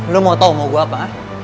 lo mau tau mau gue apa